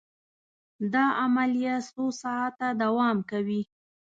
دا عملیه څو ساعته دوام کوي.